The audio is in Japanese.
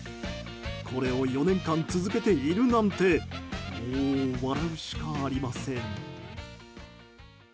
これを４年間続けているなんてもう笑うしかありません。